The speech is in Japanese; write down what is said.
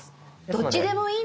どっちでもいいんだ。